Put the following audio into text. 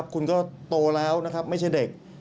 คุณก็โตแล้วไม่ใช่เด็ก